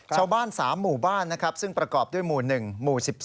ชาวบ้าน๓หมู่บ้านนะครับซึ่งประกอบด้วยหมู่๑หมู่๑๒